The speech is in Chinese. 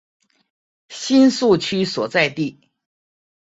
新宿区所在地。